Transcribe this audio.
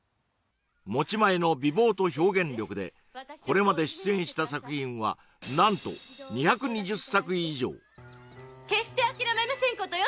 持ち前の美貌と表現力でこれまで出演した作品は何と２２０作以上決して諦めませんことよ